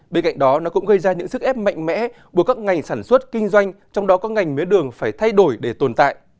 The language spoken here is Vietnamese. bên cạnh đó nó cũng gây ra những sức ép mạnh mẽ buộc các ngành sản xuất kinh doanh trong đó có ngành mía đường phải thay đổi để tồn tại